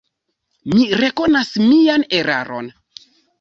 Mi rekonas mian eraron.